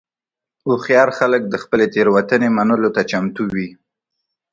هوښیار خلک د خپلې تېروتنې منلو ته چمتو وي.